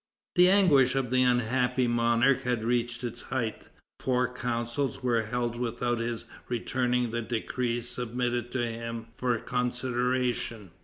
The anguish of the unhappy monarch had reached its height. Four councils were held without his returning the decrees submitted to him for consideration.